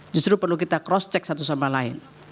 justru perlu kita cross check satu sama lain